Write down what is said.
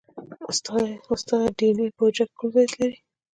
استاده ډي این اې په حجره کې کوم ځای لري